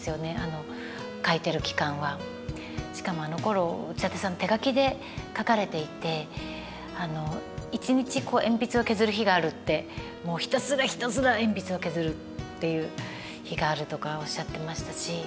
しかもあのころ内館さん手書きで書かれていて一日鉛筆を削る日があるってもうひたすらひたすら鉛筆を削るっていう日があるとかおっしゃってましたし。